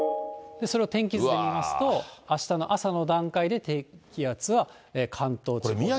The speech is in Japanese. それを天気図で見ますと、あしたの朝の段階で低気圧は関東地方に。